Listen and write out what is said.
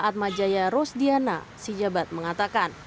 ahmad jaya rosdiana si jabat mengatakan